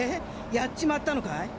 殺っちまったのかい？